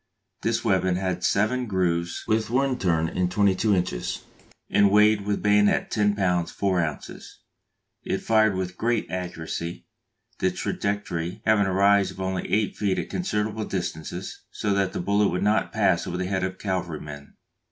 This weapon had seven grooves with one turn in twenty two inches, and weighed with bayonet 10 lb. 4 oz. It fired with great accuracy, the trajectory having a rise of only eight feet at considerable distances, so that the bullet would not pass over the head of a cavalry man.